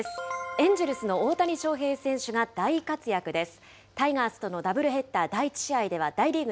エンジェルスの大谷翔平選手が大活躍です。